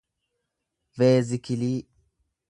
veezikilii